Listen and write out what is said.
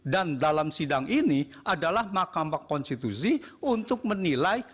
dan dalam sidang ini adalah makam konstitusi untuk menilai